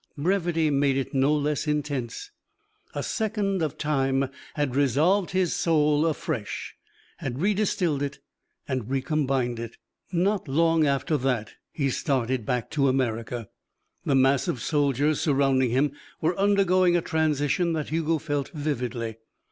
Brevity made it no less intense; a second of time had resolved his soul afresh, had redistilled it and recombined it. Not long after that he started back to America. The mass of soldiers surrounding him were undergoing a transition that Hugo felt vividly.